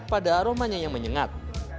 pada aromanya yang menyengat